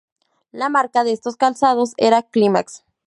La marca de estos calzados era "Climax".